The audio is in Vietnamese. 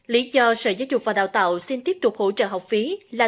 lý do sở giáo dục và đào tạo xin tiếp tục hỗ trợ học phí là